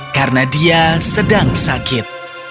karena dia sedang sakit